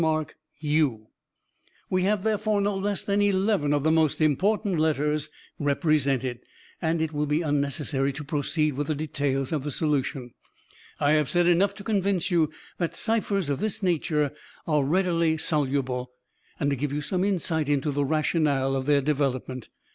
u "We have, therefore, no less than eleven of the most important letters represented, and it will be unnecessary to proceed with the details of the solution. I have said enough to convince you that ciphers of this nature are readily soluble, and to give you some insight into the rationale of their development.